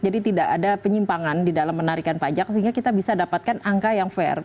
jadi tidak ada penyimpangan di dalam menarikan pajak sehingga kita bisa dapatkan angka yang fair